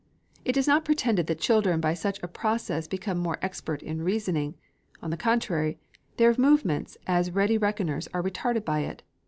It is not pretended that children by such a process become more expert in reckoning. On the contrary, their movements as ready reckoners are retarded by it.